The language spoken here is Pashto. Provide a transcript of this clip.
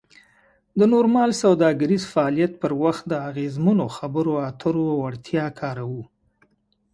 د نورمال سوداګریز فعالیت پر وخت د اغیزمنو خبرو اترو وړتیا کاروو.